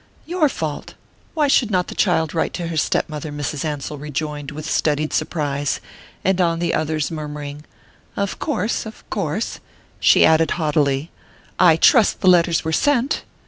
"Your fault? Why should not the child write to her step mother?" Mrs. Ansell rejoined with studied surprise; and on the other's murmuring: "Of course of course " she added haughtily: "I trust the letters were sent?"